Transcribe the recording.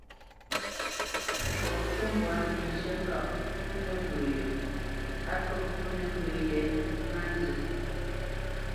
Fɔ cû mbwǎ mbishə̂ ŋgâʼ fúnə̄ mbə yo á kə́ fúnə̄ mbə yě ŋá nzə.